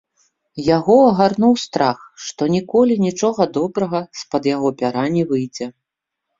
Яго агарнуў страх, што ніколі нічога добрага з-пад яго пяра не выйдзе.